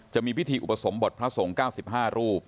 จะมีพิธีอุปสมบทพระสงฆ์๙๕รูป